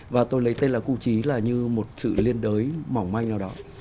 và tôi lấy tên là cú chí là như một sự liên đới mỏng manh nào đó